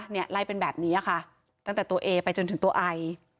ไล่เป็นแบบนี้ค่ะตั้งแต่ตัวเองไปจนถึงตัวไอ